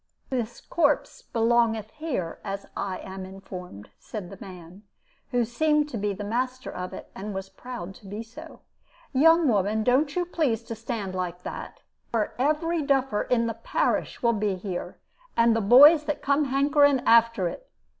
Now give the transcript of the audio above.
"'This corpse belongeth here, as I am informed,' said the man, who seemed to be the master of it, and was proud to be so. 'Young woman, don't you please to stand like that, or every duffer in the parish will be here, and the boys that come hankering after it.